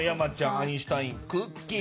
アインシュタインくっきー！